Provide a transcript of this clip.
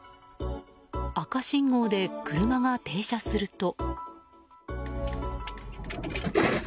赤信号で車が停車すると。